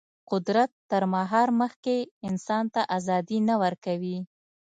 قدرت تر مهار مخکې انسان ته ازادي نه ورکوي.